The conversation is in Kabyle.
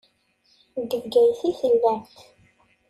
Deg Bgayet i tellamt.